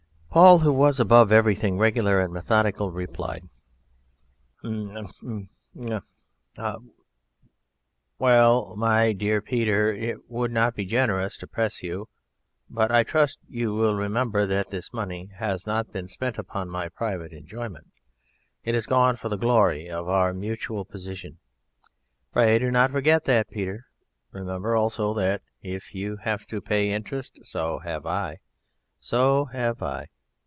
Paul, who was above everything regular and methodical, replied: "Hum, chrm, chrum, chrm. Well, my dear Peter, it would not be generous to press you, but I trust you will remember that this money has not been spent upon my private enjoyment. It has gone for the glory of our Mutual Position; pray do not forget that, Peter; and remember also that if you have to pay interest, so have I, so have I.